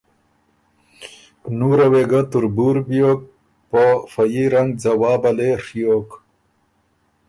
نُوره وې ګۀ تربُور بیوک په فه يي رنګ ځوابه لې ڒیوک۔